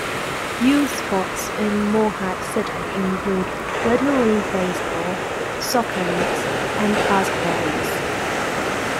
Youth sports in Morehead City include Little League Baseball, soccer leagues, and basketball leagues.